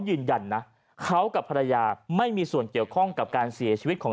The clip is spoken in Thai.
ยืนยันนะเขากับภรรยาไม่มีส่วนเกี่ยวข้องกับการเสียชีวิตของ